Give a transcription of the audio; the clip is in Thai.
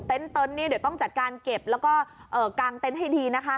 เต็นต์นี่เดี๋ยวต้องจัดการเก็บแล้วก็กางเต็นต์ให้ดีนะคะ